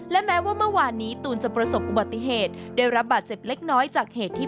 และแม้ว่าเมื่อวานนี้ตูนจะประสบอุบัติเหตุได้รับบาดเจ็บเล็กน้อยจากเหตุที่